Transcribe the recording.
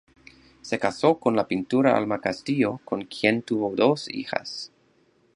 Se casó con la pintora Alma Castillo con quien tuvo dos hijos.